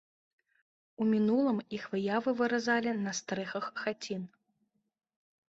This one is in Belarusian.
У мінулым іх выявы выразалі на стрэхах хацін.